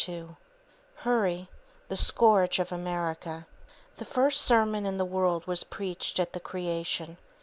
II Hurry, the Scourge of America The first sermon in the world was preached at the Creation.